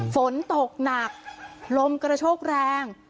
ฝนตกหนักลมกระโชกแรง